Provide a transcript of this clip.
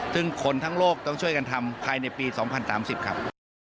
ซึ่งคนทั้งโลกต้องช่วยกันทำภายในปี๒๐๓๐ครับ